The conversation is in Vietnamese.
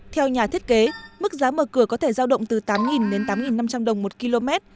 theo nhà thiết kế mức giá mở cửa có thể giao động từ tám đến tám năm trăm linh đồng một km